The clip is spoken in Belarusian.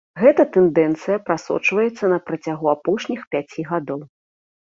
Гэтая тэндэнцыя прасочваецца на працягу апошніх пяці гадоў.